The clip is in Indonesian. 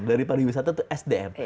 dari pariwisata itu sdm